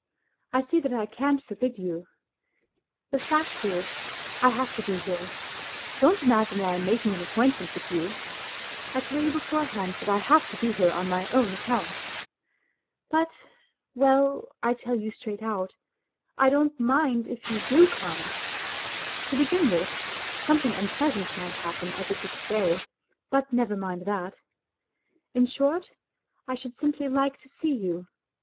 I see that I can't forbid you. ... The fact is, I have to be here ; don't imagine that I am making an appointment with you ; I tell you beforehand that I have to be here on my own account. But .. well, I tell you straight 10 WHITE NIGHTS out, I don't mind if you do come. To begin with, something unpleasant might happen as it did to day, but never mind that. . In short, I should simply like to see you ...